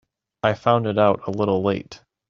I found it out a little late.